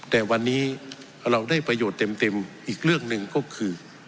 แต่วันนี้เราได้ประโยชน์เต็มอีกเรื่องหนึ่งก็คือ